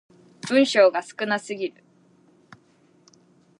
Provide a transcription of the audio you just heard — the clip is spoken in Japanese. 文章が少なすぎる